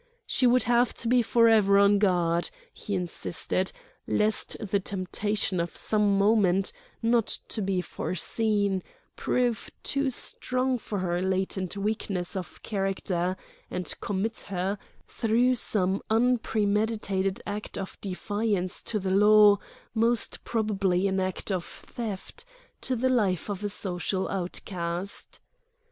She would have to be forever on guard, he insisted, lest the temptation of some moment, not to be foreseen, prove too strong for her latent weakness of character, and commit her, through some unpremeditated act of defiance to the law—most probably an act of theft—to the life of a social outcast.